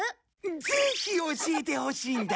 ぜひ教えてほしいんだ。